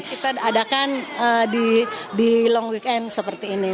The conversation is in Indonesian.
kita adakan di long weekend seperti ini